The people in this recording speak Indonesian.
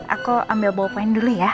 aku ambil bawa poin dulu ya